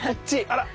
あら。